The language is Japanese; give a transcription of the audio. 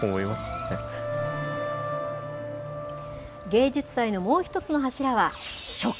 芸術祭のもう一つの柱は食。